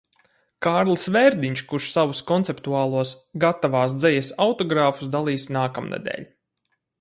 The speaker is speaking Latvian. Kārlis Vērdiņš, kurš savus konceptuālos "Gatavās dzejas" autogrāfus dalīs nākamnedēļ.